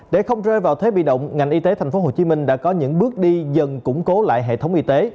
để không rơi vào thế bị động ngành y tế thành phố hồ chí minh đã có những bước đi dần củng cố lại hệ thống y tế